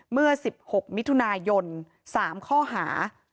เมื่อ๑๖มิถุนายน๓ข้อหา